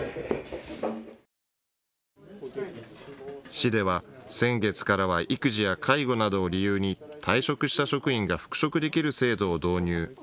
市では、先月からは育児や介護などを理由に退職した職員が復職できる制度を導入。